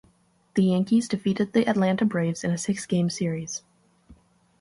The Yankees defeated the Atlanta Braves in a six-game series.